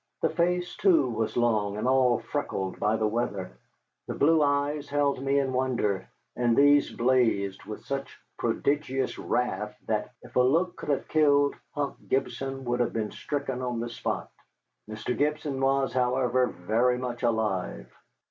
The face, too, was long, and all freckled by the weather. The blue eyes held me in wonder, and these blazed with such prodigious wrath that, if a look could have killed, Hump Gibson would have been stricken on the spot. Mr. Gibson was, however, very much alive.